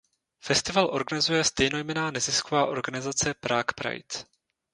Festival organizuje stejnojmenná nezisková organizace "Prague Pride".